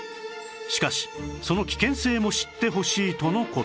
しかしその危険性も知ってほしいとの事